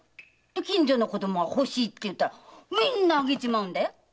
近所の子供が「欲しい」って言えばみんなあげちまうんだよ。